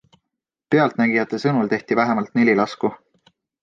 Pealtnägijate sõnul tehti vähemalt neli lasku.